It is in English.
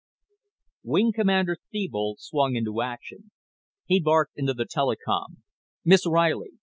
Wing Commander Thebold swung into action. He barked into the intercom: "Miss Riley!